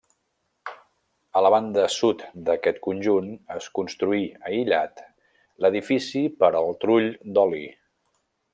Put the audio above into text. A la banda sud d'aquest conjunt es construí, aïllat, l'edifici per al trull d'oli.